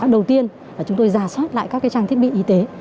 đầu tiên là chúng tôi ra soát lại các trang thiết bị y tế